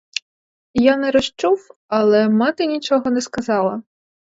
Я не розчув, але мати нічого не сказала.